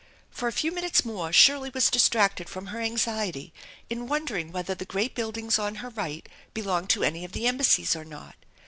For a few minutes more Shirley was distracted from her anxiety in wondering whether the great buildings on her right belonged to any of the embassies or not.